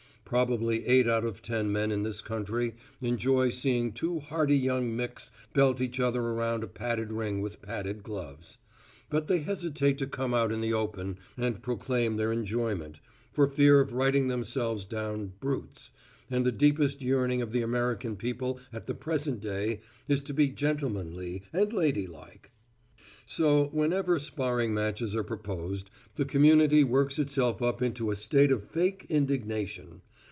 Probably eight out of ten men in this country enjoy seeing two hearty young micks belt each other around a padded ring with padded gloves. But they hesitate to come out in the open and proclaim their enjoyment, for fear of writing themselves down brutes, and the deepest yearning of the American people at the present day is to be gentlemanly and ladylike. So whenever sparring matches are proposed the community works itself up into a state of fake indignation.